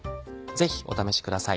ぜひお試しください。